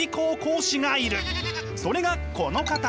それがこの方！